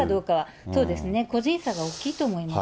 そうですね、個人差が大きいと思います。